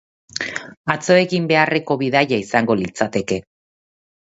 Atzo egin beharreko bidaia izango litzateke.